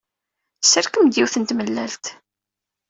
Sserkem-d yiwet n tmellalt.